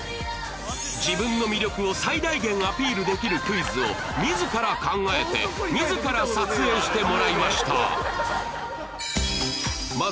自分の魅力を最大限アピールできるクイズを自ら考えて自ら撮影してもらいました